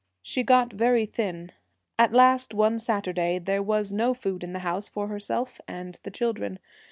She got very thin. At last one Saturday there was no food in the house for herself and the children.